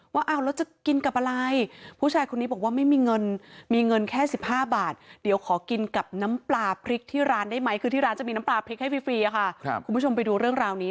ได้ไหมคือที่ร้านจะมีน้ำปลาเพล็กให้ฟรีค่ะครับคุณผู้ชมไปดูเรื่องราวนี้